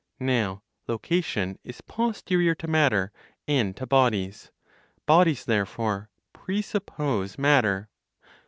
Now location is posterior to matter and to bodies. Bodies, therefore, presuppose matter.